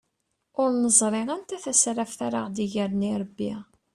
Ur neẓri anta tasraft ara aɣ-d-igren irebbi.